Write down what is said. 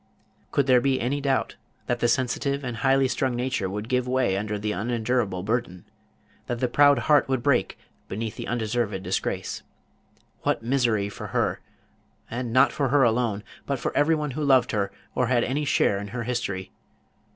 Could there be any doubt that the sensitive and highly strung nature would give way under the unendurable burden? that the proud heart would break beneath the undeserved disgrace? What misery for her! and not for her alone, but for every one who loved her, or had any share in her history.